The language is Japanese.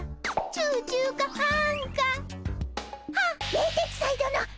冷徹斎殿！